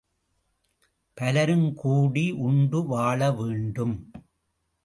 பலரும்கூடி உண்டு வாழவேண்டும்.